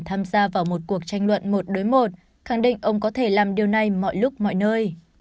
tham gia vào một cuộc tranh luận một đối một khẳng định ông có thể làm điều này mọi lúc mọi nơi